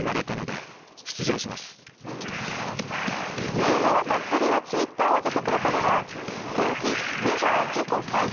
ユーモアたっぷりなＴｗｉｔｔｅｒを上げてくれたのは今季、メジャー自己最多